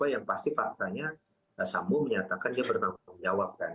tapi yang pasti faktanya samu menyatakan dia pernah menjawabkan